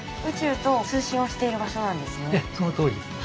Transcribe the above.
ええそのとおりですね。